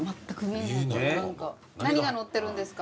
何が載ってるんですか？